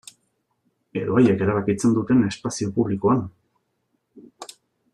Edo haiek erabakitzen duten espazio publikoan.